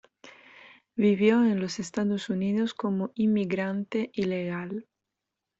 Vivió en los Estados Unidos como inmigrante ilegal.